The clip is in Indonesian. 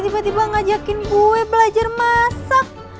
tiba tiba ngajakin kue belajar masak